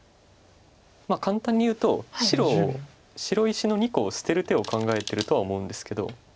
簡単に言うと白白石の２個を捨てる手を考えてるとは思うんですけど。